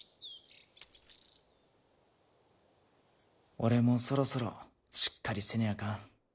俺もそろそろしっかりせにゃあかん。